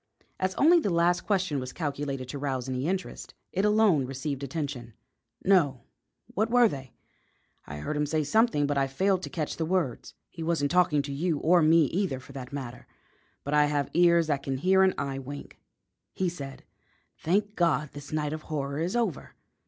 As only the last question was calculated to rouse any interest, it alone received attention. "No; what were they? I heard him say something, but I failed to catch the words." "He wasn't talking to you, or to me either, for that matter; but I have ears that can hear an eye wink. He said: 'Thank God, this night of horror is over!'